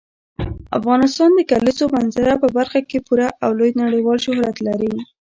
افغانستان د کلیزو منظره په برخه کې پوره او لوی نړیوال شهرت لري.